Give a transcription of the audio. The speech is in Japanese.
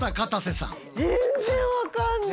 全然分かんない。